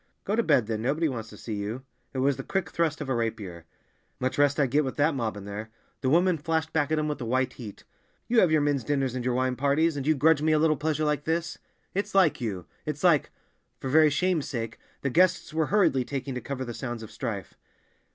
"Go to bed, then. Nobody wants to see you!" It was the quick thrust of a rapier. "Much rest I'd get with that mob in there." The woman flashed back at him with a white heat, "You have your men's dinners and your wine parties—and you grudge me a little pleasure like this! It's like you; it's like—" For very shame's sake, the guests were hurriedly talking to cover the sounds of strife.